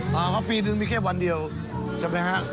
มาเขาปีนึงมีแค่วันเดียวใช่ไหมฮะ